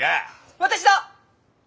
私だ！